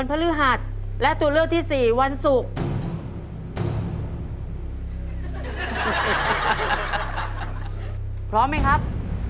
พร้อมครับ